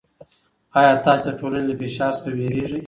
آیا تاسې د ټولنې له فشار څخه وېرېږئ؟